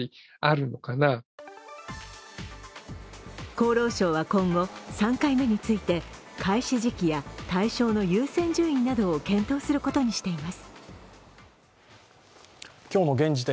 厚労省は今後、３回目について開始時期や対象の優先順位などを検討することにしています。